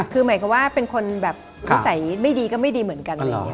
คือหมายความว่าเป็นคนแบบภาษาไม่ดีก็ไม่ดีเหมือนกัน